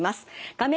画面